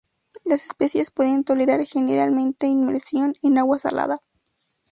Las especies pueden tolerar generalmente inmersión en agua salada.